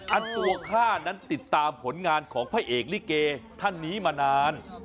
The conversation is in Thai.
อันตัวข้านั้นติดตามผลงานของพระเอกลิเกท่านนี้มานาน